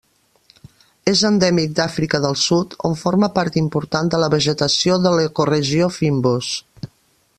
És endèmic d'Àfrica del Sud on forma part important de la vegetació de l'ecoregió fynbos.